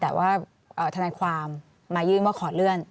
แต่ว่าทนายความมายื่นว่าขอเลื่อน